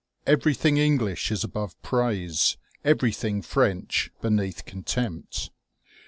Everything English is above praise, everything French beneath contempt.